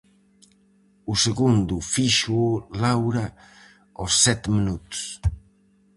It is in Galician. O segundo fíxoo Laura aos sete minutos.